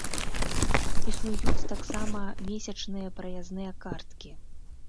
Існуюць таксама месячныя праязныя карткі.